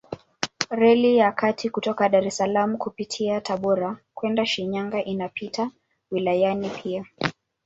Reli ya kati kutoka Dar es Salaam kupitia Tabora kwenda Shinyanga inapita wilayani pia.